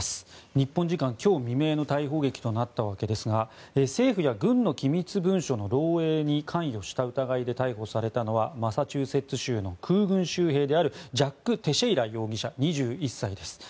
日本時間今日未明の逮捕劇となったわけですが政府や軍の機密情報の漏洩に関与した疑いで逮捕されたのはマサチューセッツ州の空軍州兵ジャック・テシェイラ容疑者２１歳です。